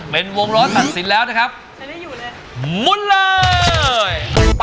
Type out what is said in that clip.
เป็นวงล้อตัดสินแล้วนะครับมุ่นเลย